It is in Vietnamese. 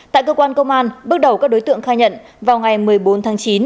tại cơ quan công an bước đầu các đối tượng khai nhận vào ngày một mươi bốn tháng chín